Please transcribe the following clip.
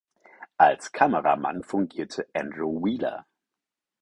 Als Kameramann fungierte Andrew Wheeler.